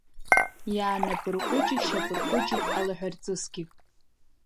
Иаанапырҟәыҷы шьапырҟәыҷит Алаҳәарҵысгьы.